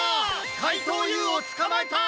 かいとうＵをつかまえた！